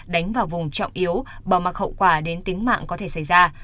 đánh vào vùng trọng yếu bỏ mặc hậu quả đến tính mạng có thể xảy ra